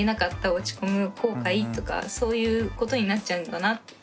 落ち込む後悔とかそういうことになっちゃうんだなって。